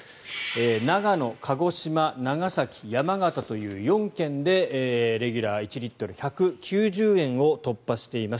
長野、鹿児島、長崎、山形という４県で、レギュラー１リットル１９０円を突破しています。